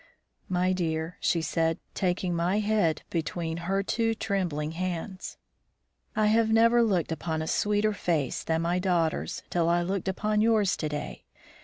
"My dear," she said, taking my head between her two trembling hands, "I have never looked upon a sweeter face than my daughter's till I looked upon yours to day.